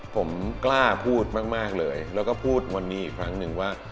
ผมกล้าพูดมากเลยแล้วก็พูดวันนี้อีกครั้งหนึ่งว่า